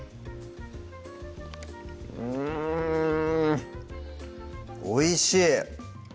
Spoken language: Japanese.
うんおいしい！